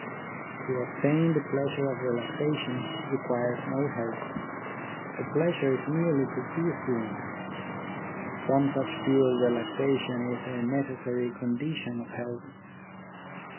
To obtain the pleasure of relaxation requires no help. The pleasure is merely to cease doing. Some such pure relaxation is a necessary condi tion of health.